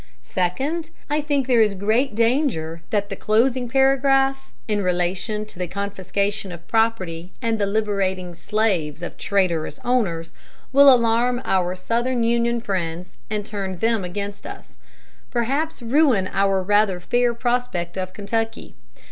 "Second. I think there is great danger that the closing paragraph, in relation to the confiscation of property and the liberating slaves of traitorous owners, will alarm our Southern Union friends and turn them against us; perhaps ruin our rather fair prospect for Kentucky.